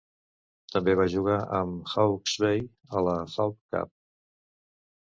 També va jugar amb Hawke's Bay a la Hawke Cup.